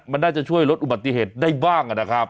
มันน่าจะช่วยลดอุบัติเหตุได้บ้างนะครับ